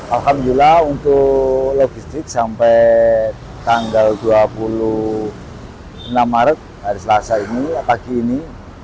alhamdulillah untuk logistik sampai tanggal dua puluh enam maret hari selasa ini pagi ini